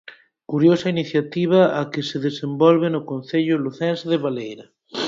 Curiosa iniciativa a que se desenvolve no Concello lucense de Baleira.